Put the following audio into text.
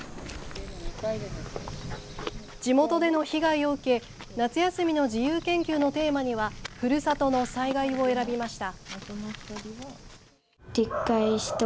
地元での被害を受け夏休みの自由研究のテーマにはふるさとの災害を選びました。